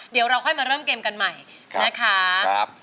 เดี๋ยวเราค่อยมาเริ่มเกมกันใหม่นะคะ